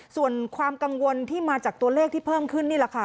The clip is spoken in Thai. ส่วนความกังวลที่มาจากตัวเลขที่เพิ่มขึ้นนี่แหละค่ะ